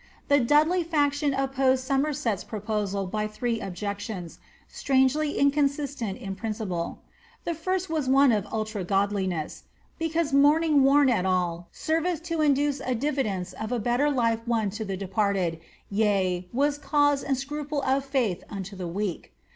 The Dudley faction opposed Somerset's proposal by three objections,' strange* ly inconsistent in principle. The first was one of ultra godliness, ^^ be caose mourning worn at all, serveth to induce a diffidence of a better life won to the departed, yea, was cause and scruple of faitli unto the weak."